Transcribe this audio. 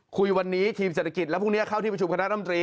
คุยวันนี้ทีมเศรษฐกิจแล้วพรุ่งนี้เข้าที่ประชุมคณะรำตรี